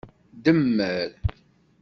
Demmer.